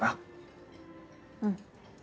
うん。